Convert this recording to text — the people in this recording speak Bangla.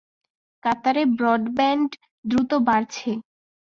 কাতারে ব্রডব্যান্ড দ্রুত বাড়ছে।